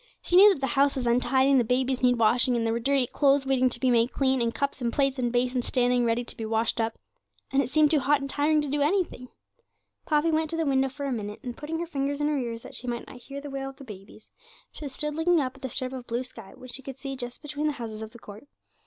She knew that the house was untidy, and the babies needed washing, and there were dirty clothes waiting to be made clean, and cups and plates and basins standing ready to be washed up. And it seemed too hot and tiring to do anything. Poppy went to the window for a minute, and putting her fingers in her ears that she might not hear the wail of the babies, she stood looking up at the strip of blue sky, which she could just see between the houses of the court.